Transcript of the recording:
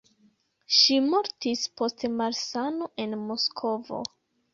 Ŝi mortis post malsano en Moskvo.